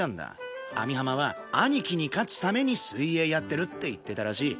網浜は兄貴に勝つために水泳やってるって言ってたらしい。